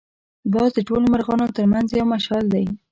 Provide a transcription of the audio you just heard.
باز د ټولو مرغانو تر منځ یو مشال دی